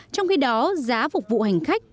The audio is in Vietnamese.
trong khi đó giá phục vụ hành khách